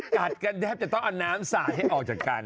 กัดกันแทบจะต้องเอาน้ำสาดให้ออกจากกัน